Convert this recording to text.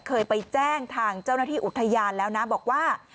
เคยไปแจ้งทางเจ้าหน้าที่อุทยานแล้วนะบอกว่า